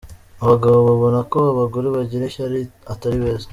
Abagabo babona ko abagore bagira ishyari atari beza.